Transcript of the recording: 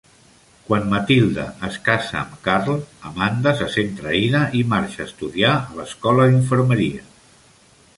Quan Mathilda es casa amb Carl, Amanda se sent traïda i marxa a estudiar a l'escola d'infermeria.